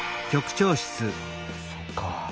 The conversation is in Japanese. そっか。